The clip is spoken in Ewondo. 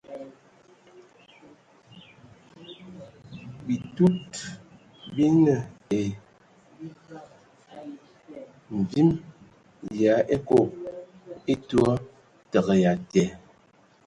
Bitud bi nə e mvim yə a ekob e tɔ təgɛ atɛ.